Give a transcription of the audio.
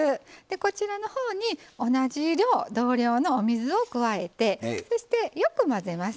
こちらのほうに同じ量同量のお水を加えてそしてよく混ぜます。